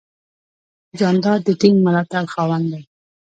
جانداد د ټینګ ملاتړ خاوند دی.